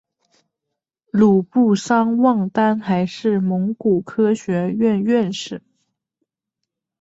鲁布桑旺丹还是蒙古科学院院士。